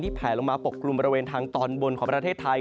แผลลงมาปกกลุ่มบริเวณทางตอนบนของประเทศไทย